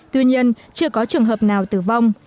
tuy nhiên chưa có trường hợp nào tử vong